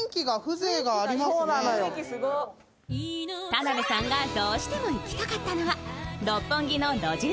田辺さんがどうしても行きたかったのは六本木の路地